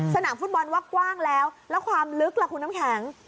สนามฟุตบอลว่ากว้างแล้วแล้วความลึกล่ะคุณน้ำแข็ง